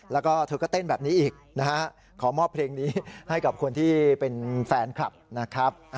แล้วก็เธอก็เต้นแบบนี้อีกนะฮะขอมอบเพลงนี้ให้กับคนที่เป็นแฟนคลับนะครับ